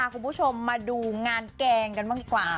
คุณผู้ชมมาดูงานแกงกันบ้างดีกว่า